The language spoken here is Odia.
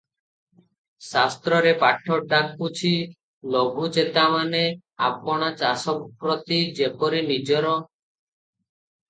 ଶାସ୍ତ୍ରରେ ପାଠ ଡାକୁଛି ଲଘୁଚେତାମାନେ ଆପଣା ଚାଷ ପ୍ରତି ଯେପରି ନଜର